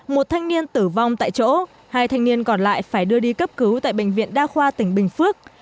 một thanh niên tử vong tại chỗ hai thanh niên còn lại phải đưa đi cấp cứu tại bệnh viện đa khoa tỉnh bình phước